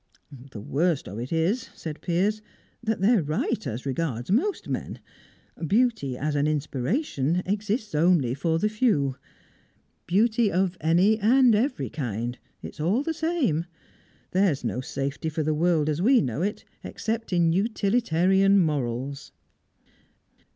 "The worst of it is," said Piers, "that they're right as regards most men. Beauty, as an inspiration, exists only for the few. Beauty of any and every kind it's all the same. There's no safety for the world as we know it, except in utilitarian morals."